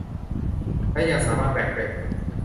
และยังสามารถแต่งเป็น